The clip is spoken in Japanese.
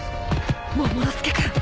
モモの助君！